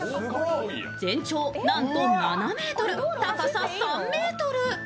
全長なんと７ｍ、高さ３ｍ。